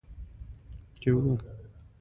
دوی بیا کولی سي په مؤثره توګه ټولنه رهبري کړي.